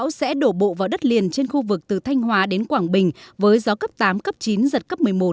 phó thủ tướng trịnh đình dũng đã đổ bộ vào đất liền trên khu vực từ thanh hóa đến quảng bình với gió cấp tám cấp chín giật cấp một mươi một